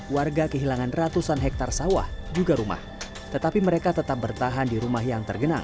warga kehilangan ratusan hektare sawah juga rumah tetapi mereka tetap bertahan di rumah yang tergenang